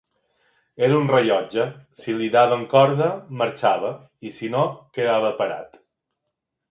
Era un rellotge, si li daven corda marxava, i si no quedava parat.